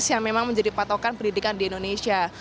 yang memang menjadi patokan pendidikan di indonesia